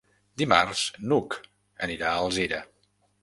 Dimarts n'Hug anirà a Alzira.